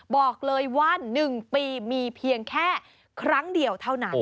บอกเลยว่า๑ปีมีเพียงแค่ครั้งเดียวเท่านั้น